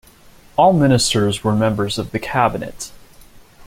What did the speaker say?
All ministers were members of the Cabinet.